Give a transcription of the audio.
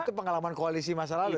itu pengalaman koalisi masa lalu